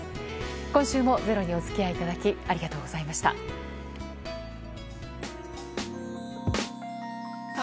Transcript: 今週も「ｚｅｒｏ」にご付き合いいただきありがとうございました。